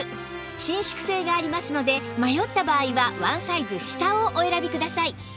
伸縮性がありますので迷った場合はワンサイズ下をお選びください